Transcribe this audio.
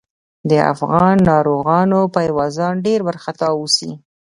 د افغان ناروغانو پايوازان ډېر وارخطا اوسي.